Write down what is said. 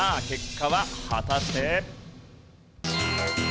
結果は果たして。